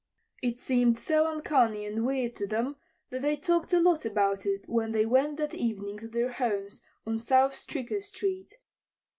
It seemed so uncanny and weird to them that they talked a lot about it when they went that evening to their homes on South Stricker street.